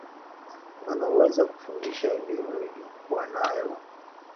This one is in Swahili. wanaoweza kufundisha elimu aliyokuwa nayo Frumensyo pamoja na